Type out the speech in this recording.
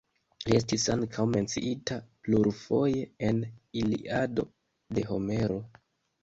Li estis ankaŭ menciita plurfoje en "Iliado", de Homero.